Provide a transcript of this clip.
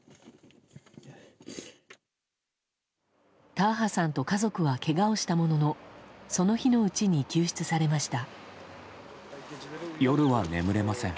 ターハさんと家族はけがをしたもののその日のうちに救出されました。